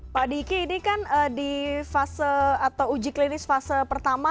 pak diki ini kan di fase atau uji klinis fase pertama